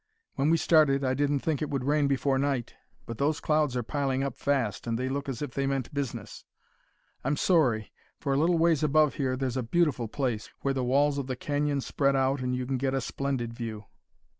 When we started I didn't think it would rain before night, but those clouds are piling up fast and they look as if they meant business. I'm sorry, for a little ways above here there's a beautiful place, where the walls of the canyon spread out and you get a splendid view.